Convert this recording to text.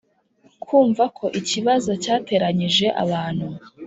kumva ko ikibazo cyateranyije abantu